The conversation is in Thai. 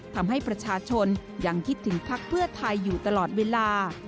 ทำให้ประชาชนยังคิดถึงพักเพื่อไทยอยู่ตลอดเวลา